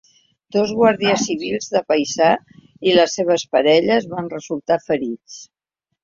Dos guàrdies civils de paisà i les seves parelles van resultar ferits.